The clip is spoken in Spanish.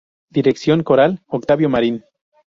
Dirección coral: Octavio Marín.